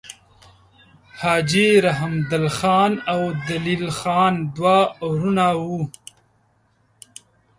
حاجي رحمدل خان او دلیل خان دوه وړونه وه.